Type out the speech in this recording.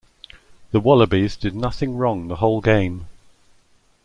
The Wallabies did nothing wrong the whole game...